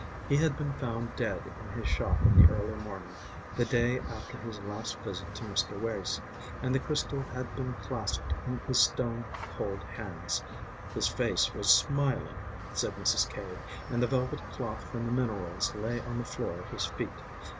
He had been found dead in his shop in the early morning, the day after his last visit to Mr. Wace, and the crystal had been clasped in his stone cold hands. His face was smiling, said Mrs. Cave, and the velvet cloth from the minerals lay on the floor at his feet.